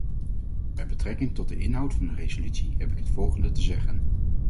Met betrekking tot de inhoud van de resolutie heb ik het volgende te zeggen.